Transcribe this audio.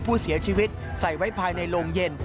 ผู้เสียชีวิตใส่ไว้ภายในโรงเย็น